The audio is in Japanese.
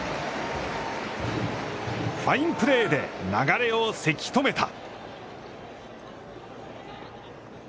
ファインプレーで流れをせき止めた。